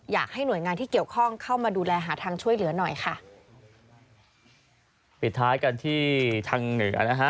อยากให้หน่วยงานที่เกี่ยวข้องเข้ามาดูแลหาทางช่วยเหลือหน่อยค่ะปิดท้ายกันที่ทางเหนือนะฮะ